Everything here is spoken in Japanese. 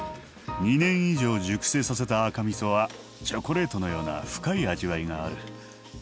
２年以上熟成させた赤みそはチョコレートのような深い味わいがある。